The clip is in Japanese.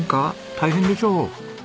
大変でしょう？